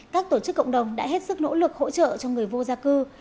các tổ chức cộng đồng đã hết sức nỗ lực hỗ trợ cho người vô gia cư